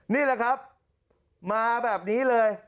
นี่แหละครับมาแบบนี้เลย